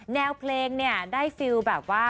แนวเพลงเนี่ยได้ฟิลแบบว่า